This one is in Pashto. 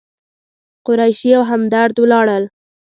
قریشي او همدرد ولاړل.